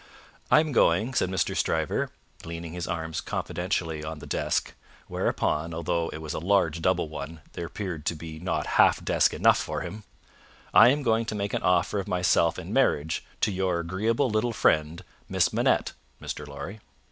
"I am going," said Mr. Stryver, leaning his arms confidentially on the desk: whereupon, although it was a large double one, there appeared to be not half desk enough for him: "I am going to make an offer of myself in marriage to your agreeable little friend, Miss Manette, Mr. Lorry."